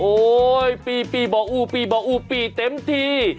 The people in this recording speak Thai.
โอ้ยปีบอกอูปีเต็มที่